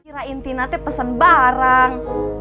kirain tina tuh pesen barang